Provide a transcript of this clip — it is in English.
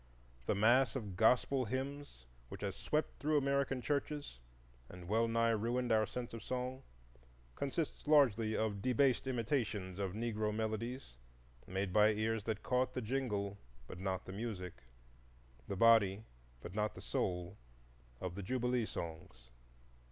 The mass of "gospel" hymns which has swept through American churches and well nigh ruined our sense of song consists largely of debased imitations of Negro melodies made by ears that caught the jingle but not the music, the body but not the soul, of the Jubilee songs.